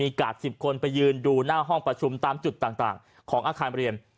กาด๑๐คนไปยืนดูหน้าห้องประชุมตามจุดต่างของอาคารเรียน